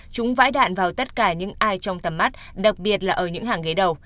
chúng vãi đạn vào tất cả những ai trong tầm mắt đặc biệt là ở những hàng ghế đầu